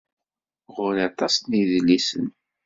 Ɣer-i aṭas n yedlisen.